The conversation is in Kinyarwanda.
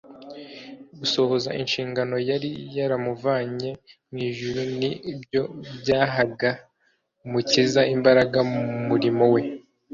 Gusohoza inshingano yari yaramuvanye mw’ijuru ni byo byahaga Umukiza imbaraga mu murimo we,